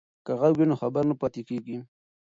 که غږ وي نو خبر نه پاتیږي.